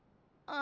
あ？